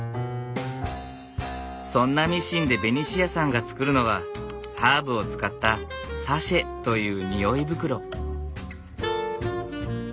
そんなミシンでベニシアさんが作るのはハーブを使ったサシェという匂い袋。